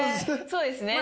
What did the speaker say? そうですね